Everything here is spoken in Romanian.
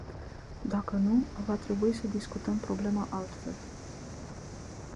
Dacă nu, va trebui să discutăm problema altfel.